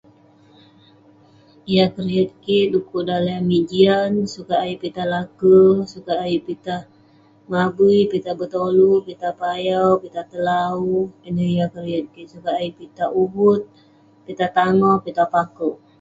Yah keriet kik dukuk daleh amik jian, sukat ayuk pitah lake, sukat ayuk pitah mabui, pitah betolu, pitah payau, pitah telawu. Eh neh yah keriet kik, sukat ayuk pitah uvut, pitah tangoh, pitah pake'uk.